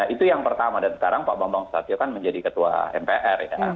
itu yang pertama dan sekarang pak bambang susatyo kan menjadi ketua mpr ya